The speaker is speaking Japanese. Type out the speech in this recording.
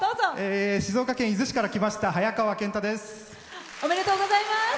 静岡県伊豆市から来ましたはやかわです。